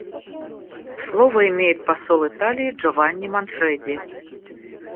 Слово имеет посол Италии Джованни Манфреди.